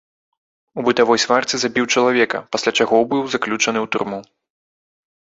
У бытавой сварцы забіў чалавека, пасля чаго быў заключаны ў турму.